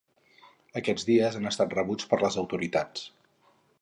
Aquests dies han estat rebuts per les autoritats